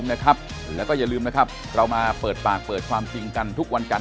เพราะผมป่วย